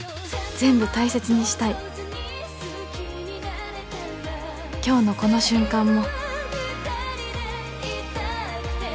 全部大切にしたい今日のこの瞬間も